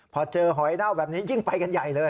พอเจอหอยเน่าแบบนี้ยิ่งไปกันใหญ่เลย